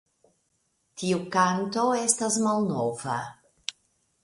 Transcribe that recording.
Tiu kanto estas malnova.